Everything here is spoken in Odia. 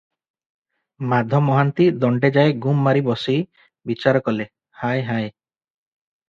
ମାଧ ମହାନ୍ତି- ଦଣ୍ଡେଯାଏଁ ଗୁମ ମାରି ବସି ବିଚାର କଲେ- ହାୟ ହାୟ!